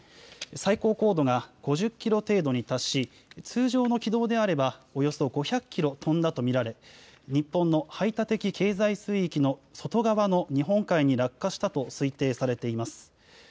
最高高度が５０キロ程度に達し通常の軌道であればおよそ５００キロ飛んだと見られ日本の排他的経済水域の外側の日本海に落下したと推定されています。